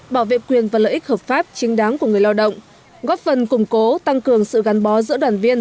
bảo vệ quyền và lợi ích hợp pháp chính đáng của người lao động góp phần củng cố tăng cường sự gắn bó giữa đoàn viên